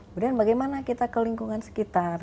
kemudian bagaimana kita ke lingkungan sekitar